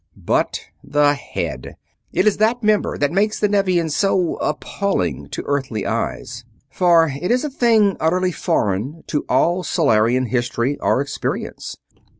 But the head! It is that member that makes the Nevian so appalling to Earthly eyes, for it is a thing utterly foreign to all Solarian history or experience.